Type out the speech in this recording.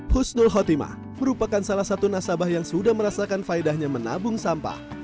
husnul khotimah merupakan salah satu nasabah yang sudah merasakan faedahnya menabung sampah